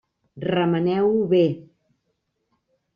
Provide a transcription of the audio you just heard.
Remeneu-ho bé.